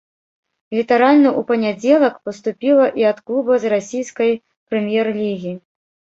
Літаральна ў панядзелак паступіла і ад клуба з расійскай прэм'ер-лігі.